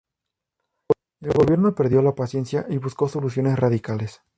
El gobierno perdió la paciencia y buscó soluciones radicales.